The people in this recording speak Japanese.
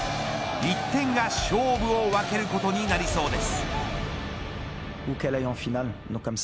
１点が勝負を分けることになりそうです。